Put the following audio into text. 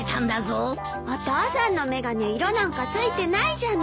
お父さんの眼鏡色なんか付いてないじゃない。